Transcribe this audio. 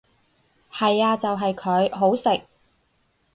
係呀就係佢，好食！